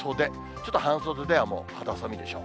ちょっと半袖では肌寒いでしょう。